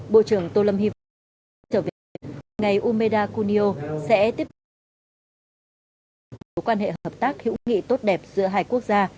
bộ trưởng tô lâm hy vọng đã trở về ngày umeda kunio sẽ tiếp tục giới thiệu quan hệ hợp tác hữu nghị tốt đẹp giữa hai quốc gia